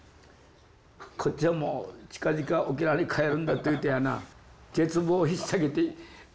こっちはもう近々沖縄に帰るんだというてやな絶望をひっ提げて歩いてるわけだよ。